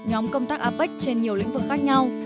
nhóm công tác apec trên nhiều lĩnh vực khác nhau